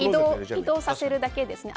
移動させるだけですね。